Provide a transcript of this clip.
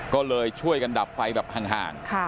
ก็เลยช่วยกันดับไฟแบบห่าง